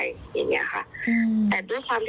แต่ด้วยว่าข้างนี้มีเพื่อนฝรั่งมาด้วย